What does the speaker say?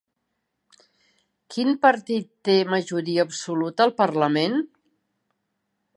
Quin partit té majoria absoluta al parlament?